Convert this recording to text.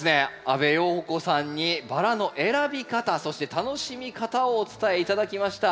阿部容子さんにバラの選び方そして楽しみ方をお伝え頂きました。